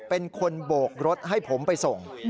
เป็นคนโบกรถให้ผมไปส่ง